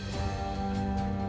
kalawan tanpa tanda